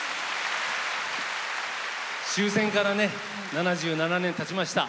終戦から７７年たちました。